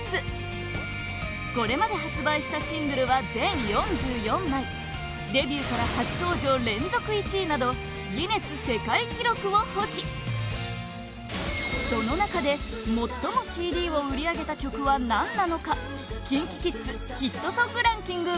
ＫｉｎＫｉＫｉｄｓこれまで発売したシングルは全４４枚デビューから初登場連続１位などギネス世界記録を保持その中で、最もＣＤを売り上げた曲は何なのかＫｉｎＫｉＫｉｄｓヒットソングランキング